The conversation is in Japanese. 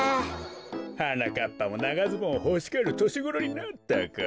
はなかっぱもながズボンほしがるとしごろになったか。